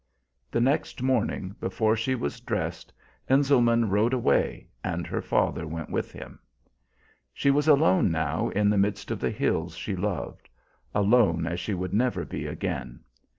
The next morning, before she was dressed, Enselman rode away, and her father went with him. She was alone, now, in the midst of the hills she loved alone as she would never be again.